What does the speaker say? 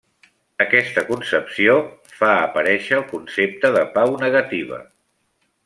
Aquesta concepció fa aparèixer el concepte de pau negativa.